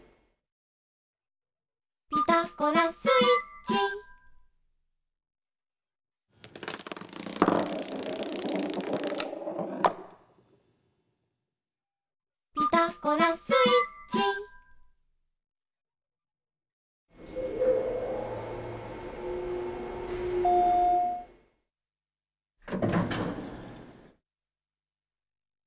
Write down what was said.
「ピタゴラスイッチ」「ピタゴラスイッチ」ポン。